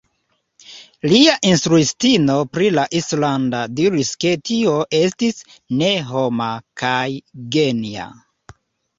Lia instruistino pri la islanda diris ke tio estis "ne homa" kaj "genia".